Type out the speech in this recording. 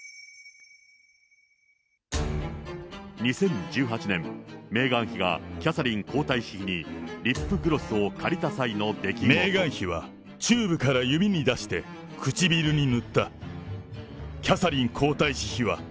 ２０１８年、メーガン妃がキャサリン皇太子妃にリップグロスを借りた際の出来メーガン妃はチューブから指に出して、唇に塗った。